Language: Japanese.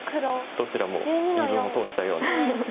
どちらも言い分を通したような。